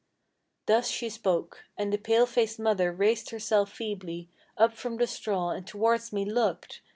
"Thus she spoke, and the pale faced mother raised herself feebly Up from the straw, and towards me looked.